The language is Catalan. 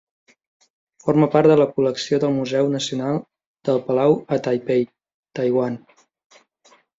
Forma part de la col·lecció del Museu Nacional del Palau a Taipei, Taiwan.